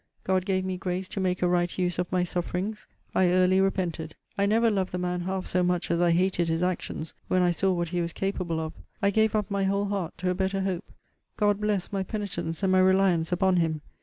God gave me grace to make a right use of my sufferings. I early repented. I never loved the man half so much as I hated his actions, when I saw what he was capable of. I gave up my whole heart to a better hope. God blessed my penitence and my reliance upon him.